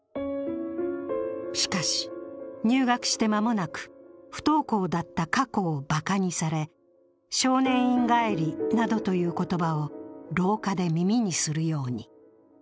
しかし、入学して間もなく、不登校だった過去をばかにされ、少年院帰りなどという言葉を廊下で耳にするように。